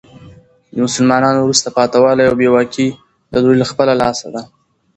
د مسلمانانو وروسته پاته والي او بي واکي د دوې له خپله لاسه ده.